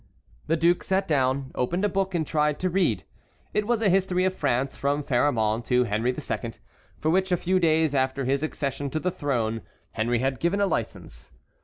The duke sat down, opened a book, and tried to read. It was a history of France from Pharamond to Henry II., for which, a few days after his accession to the throne, Henry had given a license.